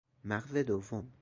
مغز دوم